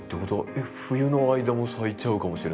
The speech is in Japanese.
えっ冬の間も咲いちゃうかもしれないってことですよね。